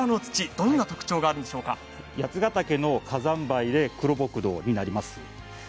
八ヶ岳の火山灰で黒木土になります。